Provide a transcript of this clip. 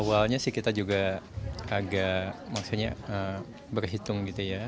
awalnya sih kita juga agak maksudnya berhitung gitu ya